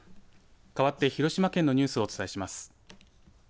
かわって広島県のニュースをお伝えします。